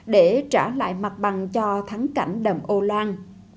để trả lại mặt bằng cho thắng cảnh đầm âu loan